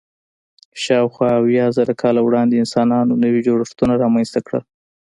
شاوخوا اویا زره کاله وړاندې انسانانو نوي جوړښتونه رامنځ ته کړل.